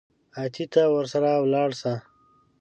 اتې ته ورسره ولاړ سه.